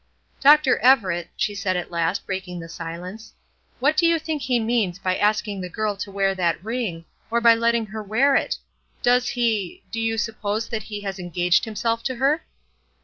"Dr. Everett," she said at last, breaking the silence, "what do you think he means by asking the girl to wear that ring, or by letting her wear it? Does he do you suppose that he has engaged himself to her?"